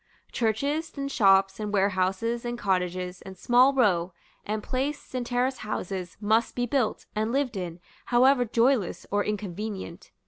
Churches, and shops, and warehouses, and cottages, and small row, and place, and terrace houses, must be built, and lived in, however joyless or inconvenient.